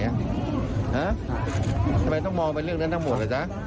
ทำไมต้องมองเป็นเรื่องนั้นทั้งหมดล่ะจ๊ะ